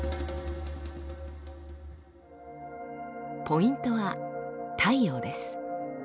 ポイントは太陽です。